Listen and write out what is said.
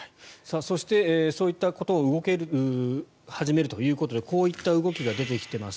そしてそういったことが動き始めるということでこういった動きが出てきています。